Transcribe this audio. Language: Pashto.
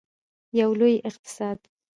یو لوی اقتصاد.